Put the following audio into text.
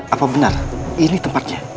apa benar ini tempatnya